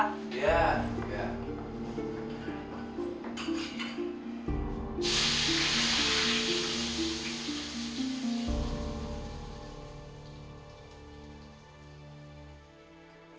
pak ini dia